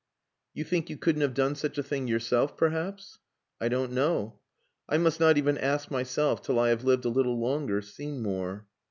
"You think you couldn't have done such a thing yourself perhaps?" "I don't know. I must not even ask myself till I have lived a little longer, seen more...."